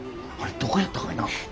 あれどこやったかいな。